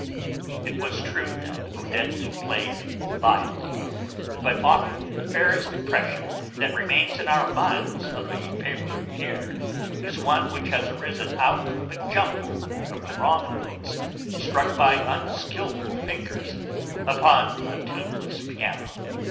It was true that Odette played vilely, but often the fairest impression that remains in our minds of a favourite air is one which has arisen out of a jumble of wrong notes struck by unskilful fingers upon a tuneless piano.